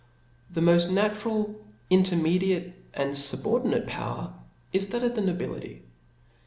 The moft natural, intermediate and fubordinate power, is that of the nobility.